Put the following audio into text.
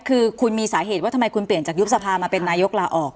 คือคุณมีสาเหตุว่าทำไมคุณเปลี่ยนจากยุบสภามาเป็นนายกลาออก